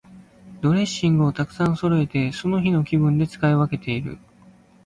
ドレッシングをたくさんそろえて、その日の気分で使い分けている。